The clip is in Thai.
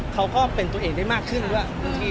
ก็เป็นตัวเองได้มากขึ้นด้วย